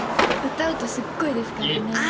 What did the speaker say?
歌うとすっごいですからね